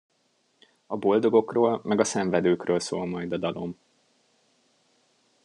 A boldogokról meg a szenvedőkről szól majd a dalom.